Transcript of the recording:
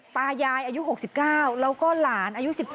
ตายายอายุ๖๙แล้วก็หลานอายุ๑๓